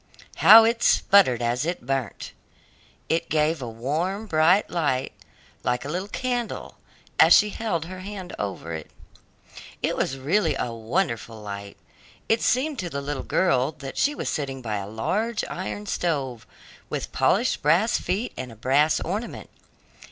how it sputtered as it burnt! It gave a warm, bright light, like a little candle, as she held her hand over it. It was really a wonderful light. It seemed to the little girl that she was sitting by a large iron stove, with polished brass feet and a brass ornament.